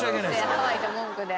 人生ハワイと文句で。